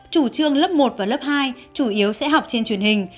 chủ trương lớp một và lớp hai chủ yếu sẽ học trên truyền hình